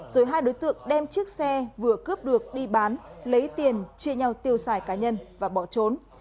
rồi hai đối tượng đem chiếc xe vừa cướp được đi bán lấy tiền chia nhau tiêu xài cá nhân và bỏ trốn